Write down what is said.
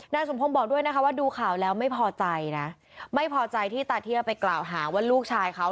สมพงศ์บอกด้วยนะคะว่าดูข่าวแล้วไม่พอใจนะไม่พอใจที่ตาเทียบไปกล่าวหาว่าลูกชายเขา